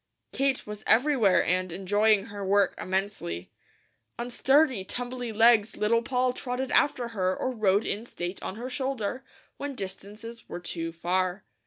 Kate was everywhere and enjoying her work immensely. On sturdy, tumbly legs Little Poll trotted after her or rode in state on her shoulder, when distances were too far.